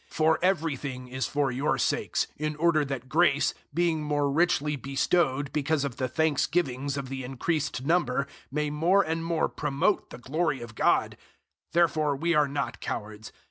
004:015 For everything is for your sakes, in order that grace, being more richly bestowed because of the thanksgivings of the increased number, may more and more promote the glory of God. 004:016 Therefore we are not cowards.